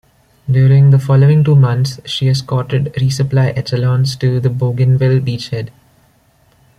During the following two months, she escorted resupply echelons to the Bougainville beachhead.